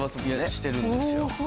してるんですよ。